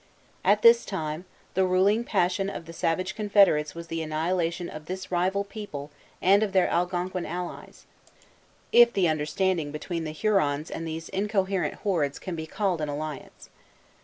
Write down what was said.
At this time, the ruling passion of the savage Confederates was the annihilation of this rival people and of their Algonquin allies, if the understanding between the Hurons and these incoherent hordes can be called an alliance.